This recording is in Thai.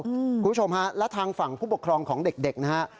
คุณผู้ชมฮะและทางฝั่งผู้ปกครองของเด็กนะฮะ